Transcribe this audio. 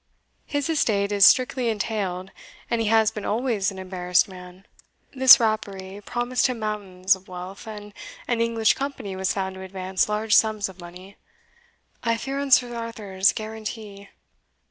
His estate is strictly entailed, and he has been always an embarrassed man. This rapparee promised him mountains of wealth, and an English company was found to advance large sums of money I fear on Sir Arthur's guarantee.